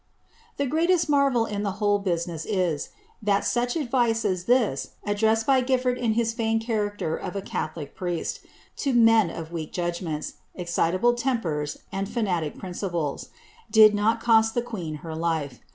"» The gnatait marvel in the whole business is, that such advice as this, addreaaed hv Gifibrd in his feigned character of a Oatholic priest, to ■en of weak judgments, excitable tempers, and fanatic principles, did ■Dt coal the queen her life.